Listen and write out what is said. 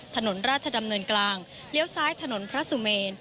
ถนนราชดำเนินกลางเลี้ยวซ้ายถนนพระสุเมน